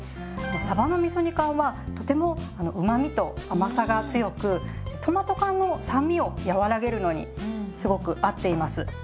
さばのみそ煮缶はとてもあのうまみと甘さが強くトマト缶の酸味を和らげるのにすごく合っています。